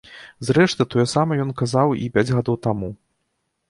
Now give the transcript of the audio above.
Зрэшты, тое самае ён казаў і пяць гадоў таму.